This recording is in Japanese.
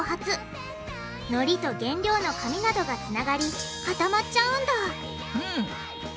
のりと原料の紙などがつながりかたまっちゃうんだうん。